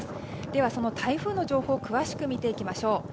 では台風の情報詳しく見ていきましょう。